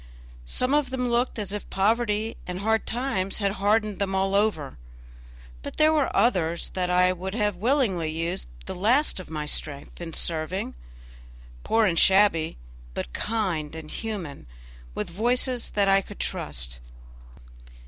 Some of them looked as if poverty and hard times had hardened them all over; but there were others that I would have willingly used the last of my strength in serving; poor and shabby, but kind and human, with voices that I could trust.